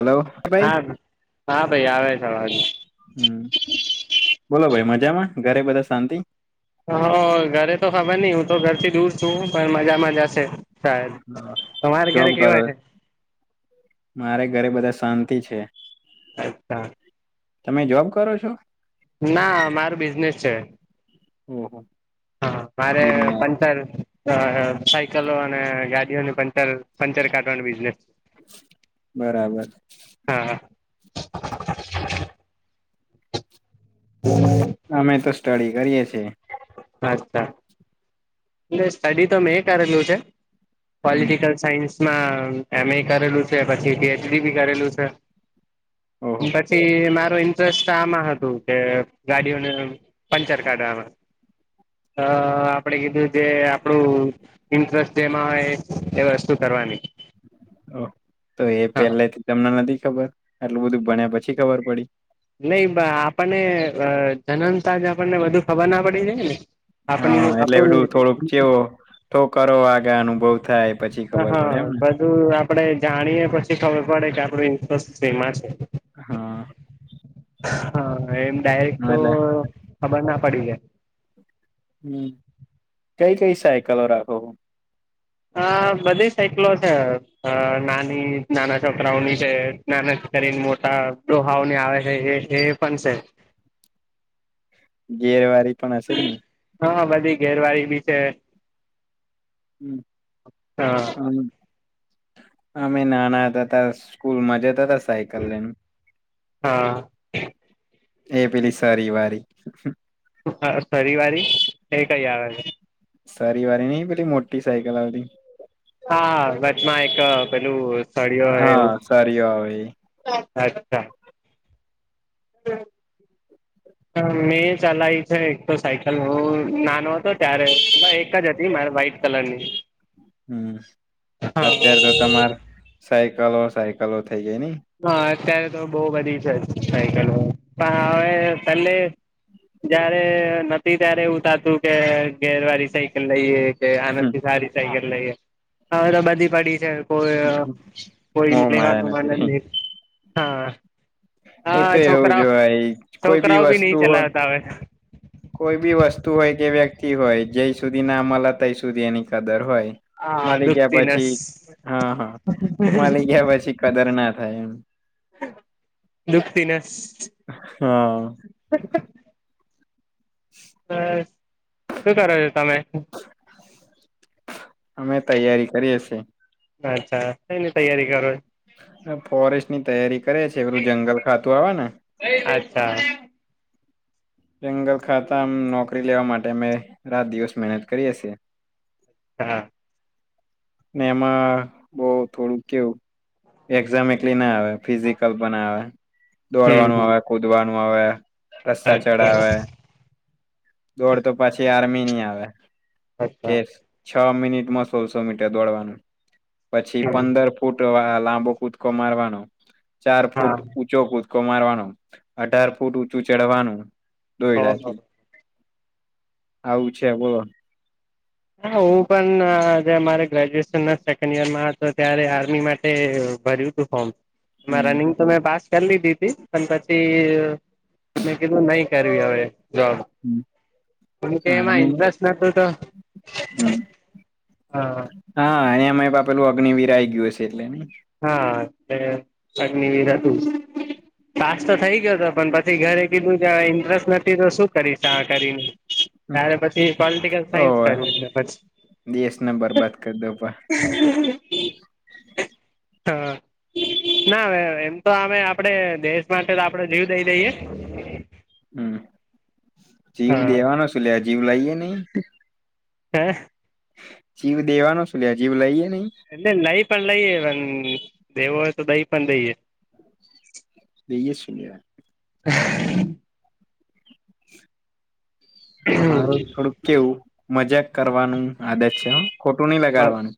Hello ભાઈ હા હા ભાઈ આવે છે અવાજ હમ બોલો ભાઈ મજામાં ઘરે બધા શાંતિ હા ઘરે તો ખબર ની હું તો ઘર થી દૂર છું પણ મજામાંજ હશે સારુ તમારે ઘરે જોબ કરો કેવા છે મારે ઘેરે બધા શાંતિ છે અચ્છા તમે જોબ કરો છો ના મારું બિઝનેસ છે [inaudible] મારે બિલના પંટર અ સાયકલો અને યાડીઓની પંટર પંચર કાઢવાનું બિઝનેસ બરાબર હા હા અમે તો સ્ટડી કરીએ છીએ અચ્છા એલે સ્ટડી તો મેં કરેલું છે હમ પોલટિકલ સાયન્સમાં એમ એ કરેલું છે પછી પીએચડી બી કરેલું છે ઓહો પછી મારો ઇ [unintelligible] આમાં હતું કે ગાડીઓને પંચર કાઢવાવામાં અ આપડે કીધું જે આપળુ ઇન્ટરેસ્ટ જેમાં આવેય એ વસ્તુ કરવાની ઓ એ હા પહેલાથી તમને નથી ખબર આટલું બધું ભણ્યા પછી ખબર પડી નઈ આપણને જનનતાજ આપણને બધુ ખબર ના પડી જાય ને આપણને હા એટલે પેલું થોડુંક આપણું ચેવો થો કરવા જાય અનુભવ થાય પછી હ હ ખબર પડે એમ ને [unintelligible] આપડે જાણીએ પછી ખબર પડે કે આપણું ઇન્ટ્રસ્ટ સેમાં છે હ હ એમ ડાયરેક્ટ તો એટલે ખબર ના પડી જાય હ કઈ કઈ સાયકલો રાખો શો હ બધી સાઈકલો છે અ નાની નાના છોકરાઓની છે નાના છોકરીયોની મોટા ડોહાઓને આવે છે એ છે પણ સે ગેરવારી પણ હશે જ ને હા હા બધી ગેરવાળી બી છે [unintelligible] હા અમે નાના હતા તા સ્કૂલ માં જાતા તા સાયકલ લયન હા એ પીલી સારી વારી સરી વારી એ કઈ આવે છે સરી વાળી નય પેલી મોટી સાયકલ આવતી હા વચમાં એક પેલું સળિઓ એવું હા સરીઓ આવે એ [unintelligible] મેં ચલાયી છે એક તો સાયકલ હુ નાનો હતો ત્યારે એક જ હતી મારે વ્હાઈટ કલર ની હુ અત્ય્યારે તો તમાર સાયકલો સાયકલો થઇ જાય નય હા અત્યારે તો બહ બધી છે સાયકલો પણ હવે પલ્લે જયારે નતી ત્યારે એવું થાતું કે ગેરવાળી સાયકલ લઈએ કે આના થી સારી સાયકલ લઈએ હવે તો બધી પડી કોઈ કોઈ મોહ [unintelligible] માયા લેવાનુ મન નથી જ રહી નય હા અ એ તો એવું જ છોકરાઓ હોય કોઈ બી છોકરાઓ ભી નહી વસ્તુ હોય ચલાવતા હવે કોઈ બી વસ્તુ હોય કે વ્યક્તિ હોય જય સુધી ના મલે તય સુધી એની કદર હોય હા મલી ગ્યા દુખતી નસ પછી હ હ મલી ગ્યા પછી કદર ના થાય એમ દુઃખી ના. હા [unintelligible] હ, શું કરો છો તમે? અમે તૈયારી કરીએ છીએ. અચ્છા, શેની તૈયારી કરો? ફોરેસ્ટ ની તૈયારી કરે છે, ઓલું જંગલ ખાતું આવે ને. અચ્છા. જંગલ ખાતામ નોકરી લેવા માટે, અમે રાત-દિવસ મહેનત કરીએ છે. હા. ને એમાં બઉ થોડુંક કેવું એક્ઝામ એકલી ના આવે, ફિઝિકલ પણ આવે, હમ દોડવાનું હમ આવે, કુદવાનું આવે. રસ્તા અચ્છા ચડાવે. દોડ તો પછી આર્મીની આવે કે. અચ્છા છ મિનિટમાં સોળસો મીટર દોડવાનું, પછી હમ પંદર ફૂટ લાંબો કુદકો મારવાનો, ચાર હા ફૂટ ઊંચો કુદકો મારવાનો. અઢાર ફૂટ ઊંચું ચડવાનું દોયડા ઓહો થી. આવું છે, બોલો. હા, હું પણ મારે ગ્રેજ્યુએશન ના સેકન્ડ ઈયર માં હતો, ત્યારે આર્મી માટે. ભર્યું, ટુ ફોમ હમ રનિંગ. તો મેં પાસ કરી લીધી હતી, પણ પછી મેં કીધૂ નહી કરે હવે જોબ. પણ કે, એમાં ઇન્ટરેસ્ટ નતું તો. હમ્મ, હા હા, અને એમાંપેલું અગ્નવીર આવી ગયું હશે એટલે. હા, એ અગ્નવીર હતું. પાસ તો થઈ ગયો હતો, પણ પછી ઘરે કીધું ઇન્ટરેસ્ટ નથી તો શું કરીશ, આ કરીને. ત્યારે પછી પોલિટિકલ સાયન્સ હોવે કરું, પછી [unintelligible] દેશને બરબાદ કરી દો પા હા, ના હવે એમ તો અમે આપડે દેશ માટે તો આપડે જીવ દઈ દઈએ. હમ, જીવ હા દેવાનો શું લે, જીવ લઈએ નઈ. હે. જીવ દેવાનો શે લ્યા જીવ લઈએે નહી. એટલે લઈ પણ લઈએ, પણ દેવો હોય તો, દઈ પણ દઈએ. દઈએ. [unintelligible] મારું થોડુંક કેવું, મજાક કરવાનું. આદત છે હ, ખોટું નહીં લગાડવાનું.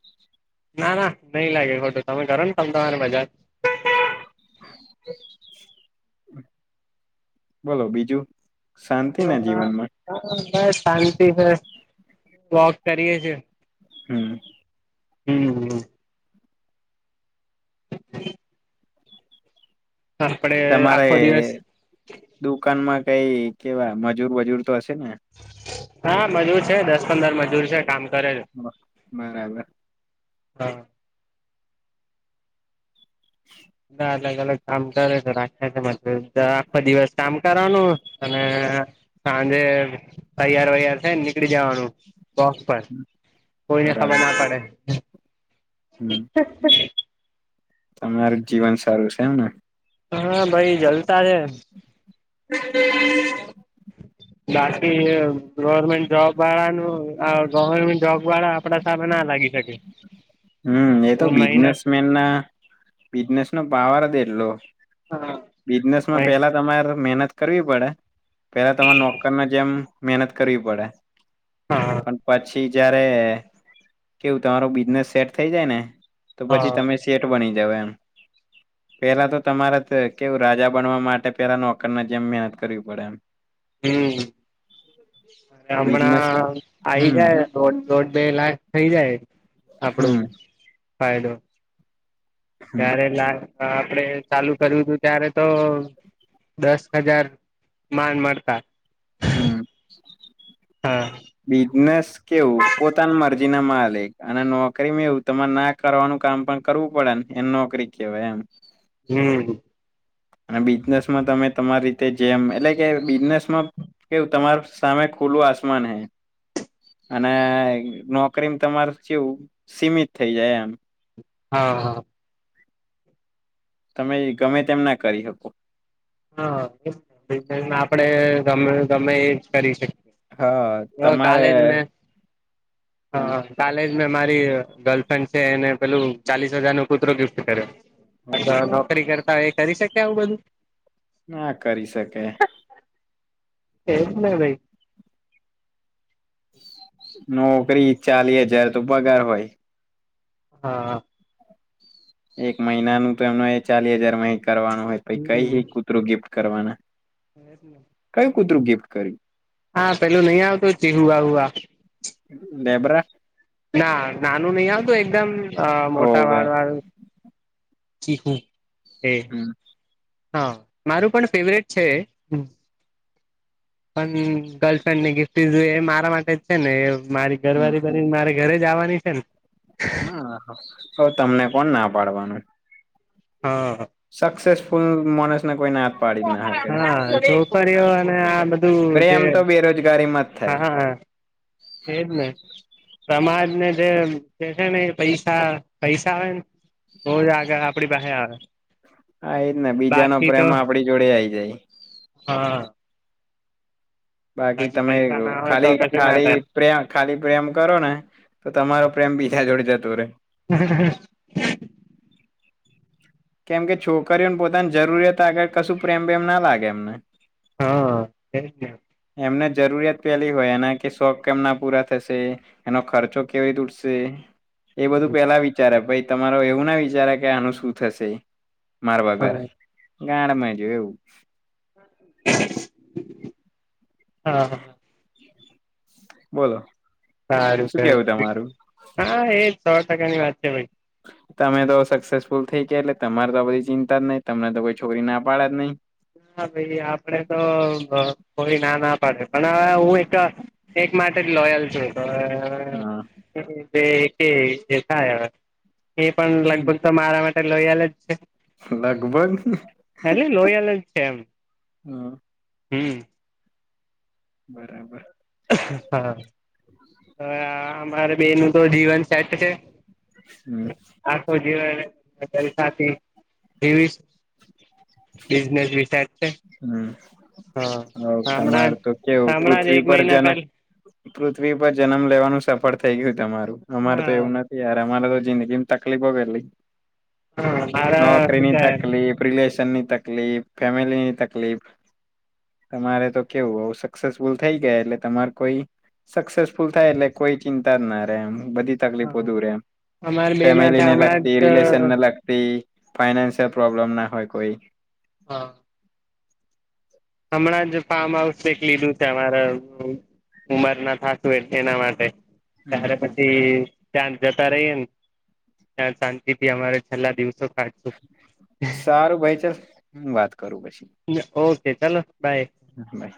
ના, ના, નહીં લાગે ખોટું, તમે કરો ને, તમ તમારે મજાક. [unintelligible] બોલો બીજું. શાંતિ ને જીવનમાં બસ શાંતિ હે, વોક કરીયે છે. હમ્મ. હમ્મ. [unintelligible] આપડે તમારે આખો દિવસ દુકાનમાં કઈ કેવા મજૂર વજૂર તો હશે ને. હા, મજૂર છે, દસ પંદર મજૂર છે, કામ કરે છે બરાબર. હા, [inaudible] ના અલગ અલગ કામ કરે છે રાખે છે મતલબ આખો દિવસ કામ કરવાનું અને, સાંજે તૈયાર વૈયાર થઈ ને નીકળી જવાનું. વોક પર કોઈને ખબર બરાબર ના પડે, હમ તમારું જીવન સારું છે એમને. હા ભાઈ જલસા છે. બાકી ગવર્મેન્ટ જોબ વાળા નુ આ ગવર્મેન્ટ જોબ વાળા આપડા સામે ના લાગી શકે હમ એ તો મહિના બિઝનેસ મેન ના બિઝનેસ નો પાવર જ એટલો હા બિઝનેસમાં પહેલા હા તમારે મહેનત કરવી પડે પહેલા તમારે નોકર ના જેમ મહેનત કરવી પડે પણ પછી પછ જયારે કેવું તમારું બિઝનેસ સેટ થઈ જાય ને તો પછી હા તમે સેઠ બની જાઓ એમ પેહલા તો તમારે કેવું રાજા બનવા માટે પેહલા નોકર ના જેમ મહેનત કરવી પડે એમ હમ કે બિઝનેસ હમણાં આવી હમ જાય દોઢ દોઢ બે લાખ થઇ જાય આપડો હમ ફાયદો હમ જ્યારે લા આપડે ચાલુ કર્યું હતું ત્યારે તો દસ હજાર માંડ મળતા હમ હા બિજનેસ કેવું પોતાની મરજી ના માલિક અને નોકરી મેવું તમારે ના કરવાનું કામ પણ કરવું પડે એને નોકરી કેહવાય એમ હમ અને બિઝનેસમાં તમે તમારી રીતે જેમ એટલે કે બિઝનેસમાં કેવું તમાર સામે ખુલ્લું આસમાન હૈ અને નોકરીમાં તમાર કેવું સીમિત થઈ જાય એમ હા હા. તમે ગમે તેમ ના કરી શકો હા આપડે ગમે ગમે એ જ કરી શકીએ હા હ તમારે કાલેજ મે હ હા કાલેજ મેં મારી ગર્લફ્રેન્ડ છે એને પેલું ચાલીસ હજાર નો કુતરો ગિફ્ટ કર્યો નોકરી કરતા એ કરી શકે આવું બધું ના કરી શકે [inaudible] એ જ ને ભાઈ નોકરી ચાલી હજાર તો પગાર હોય. હા. એક મહિનાનું તો એમનો એ ચાલીસ હજારમાં એકરવાનું હોય પહી કઈ છે કૂતરું ગિફ્ટ કરવાના એજ ને, કયું કૂતરું ગિફ્ટ કર્યું? હા પેલું નહી આવતુ ચિહુ આરૂ આ લેબરા ના નાનું નહી આવતું એકદમ મોટા હોવે વાળ વારુ ચીકુ એ હમ હા મારું પણ ફેવરેટ છે. પણ ગર્લફ્રેન્ડ ની ગિફ્ટી જો એ મારા માટે જ છે ને મારી હમ ઘરવાળી બનીને મારે ઘેરે જ આવાની છે ને. હા તો તમને કોણ ના પાડવાનું. હ સક્સેસફુલ માણસને કોઈ ના શકે હા તો કરઓ અને આ બધ ધુ જે પ્રેમ તો બેરોજગારીમાં જ હા થાય હા એજ ને સમાજ ને જે છે ને એ પૈસા પૈસા આવેને [unintelligible] આગળ આપડી પાસે હા એ જ ને બીજા નો બાકી તો પ્રેમ આપડી જોડે આઈ જાય હા. બાકી તમે પૈસા ના હોય તો ખાલી કશું ના ખાલી થાય પ્રેમ ખાલી પ્રેમ કરો ને તો તમારો પ્રેમ બીજા જોડે જતો રે [inaudible] કેમ કે છોકરીઓને પોતાની જરૂરિયાત આગળ કશું પ્રેમ પ્રેમ ના લાગે એમને હા એજ ને એમને જરૂરિયાત પેલી હોય એના કે શોખ કેમ ના પૂરા થશે. એનો ખર્ચો કેવી રીતે ઉઠશે એ બધું પેલા વિચારે ભાઈ તમારુ એવું ના વિચારે કે આનું શું થશે મારા હા વાગર ગાડમાં જો એવું હા હા બોલો સારું શું છે કેવું તમારું હા એજ સો ટકાની વાત છે ભાઈ તમે તો સક્સેસફુલ થઈ ગયા એટલે તમારે તો બધી ચિંતા જ નહીં તમને તો કોઈ છોકરી ના પાડે જ નહી ના ભાઈ આપડે તો કોઈ ના ના પાડે પણ હવે હું એક એક માટે જ લોયલ છું તો હા જે થાય અવે એ પણ લગભગ ત મારા મા લોયલ જ છે. લગભગ એટલે લોયલ જ છે એમ હા હમ બરાબર હા હવે આ અમારે બેય નું તો જીવન સેટ છે. હમ આખુ જીવન તેની સાથે જીવીસ બિઝનેસ બી સેટ છે હમ હા હમણાં તમારે જ તો કેવું હમણાં જ પૃથ્વી એક પર મહિના જન પહેલા પૃથ્વી પર જન્મ લેવાનું સફળ થઇ ગયું તમારું અમારે તો હા એવું ન થી યાર અમારે તો જિંદગી ની તકલીફો કેટલી હા મારા શું નોકરીની કે તક રિલેશનની તકલીફ, ફેમિલી ની તકલીફ તમારે તો કેવું સક્સેસફુલ થઈ ગયા એટલે તમારે કોઈ સક્સેસફુલ થાય એટલે કોઈ ચિંતા જ ના રે એમ બધી તકલીફો દૂર એમ અમારે બે માટે ફેમિલીને હમણાં લગતી, જ રિલેશનને લગ તી ફાઈનાન્શિયલ પ્રોબ્લેમ ના હોય કોઈ હા. હમણાં જ ફાર્મ હાઉસ લીધું છે અમારે. ઉમર ના થાતું, એ એના માટે, ત્યારે પછી ત્યાં જતા રહીએ ને, ત્યાં શાંતિ થી અમારે છેલ્લા દિવસો. કાઢશું સારું ભાઈ, ચાલ હુ વાત કરું પછી. ઓકે, ચલો બાય. બાય.